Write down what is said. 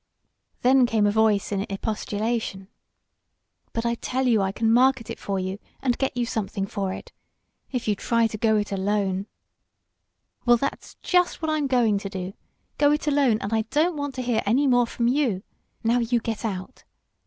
Then came a voice in expostulation: "But I tell you I can market it for you, and get you something for it. If you try to go it alone " "Well, that's just what I'm going to do go it alone, and I don't want to hear any more from you. Now you get out!"